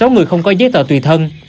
sáu người không có giấy tờ tùy thân